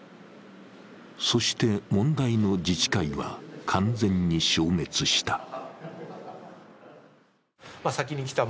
そして、問題の自治会は完全に消滅した。